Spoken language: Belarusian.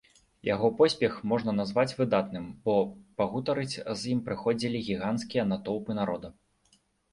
Яго поспех можна назваць выдатным, бо пагутарыць з ім прыходзілі гіганцкія натоўпы народа.